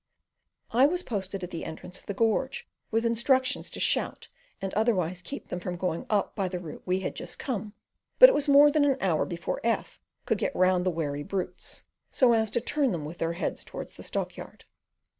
I was posted at the entrance of the gorge, with instructions to shout and otherwise keep them from going up by the route we had just come; but it was more than an hour before F could get round the wary brutes, so as to turn them with their heads towards the stockyard.